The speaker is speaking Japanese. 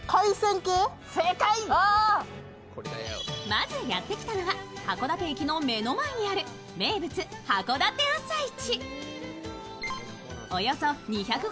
まずやってきたのは、函館駅の目の前にある名物・函館朝市。